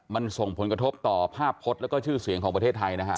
มันส่งผลกระทบต่อภาพพจน์แล้วก็ชื่อเสียงของประเทศไทยนะฮะ